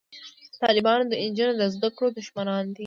طالبان د نجونو د زده کړو دښمنان دي